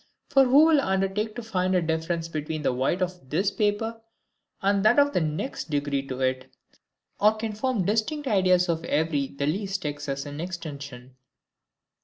For who will undertake to find a difference between the white of this paper and that of the next degree to it: or can form distinct ideas of every the least excess in extension?